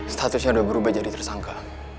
statusnya sudah berubah jadi tersangka